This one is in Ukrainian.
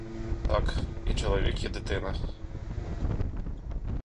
Так і чоловік, і дитина.